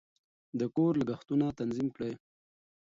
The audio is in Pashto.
د کور لګښتونه تنظیم کړئ.